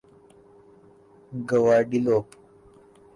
Guadeloupe